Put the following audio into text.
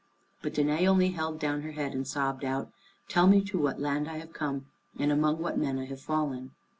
But Danæ only held down her head and sobbed out, "Tell me to what land I have come, and among what men I have fallen."